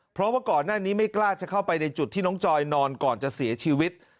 เพราะว่าก่อนหน้านี้ไม่กล้าจะเข้าไปในจุดที่น้องจอยนอนก่อนจะเสียชีวิต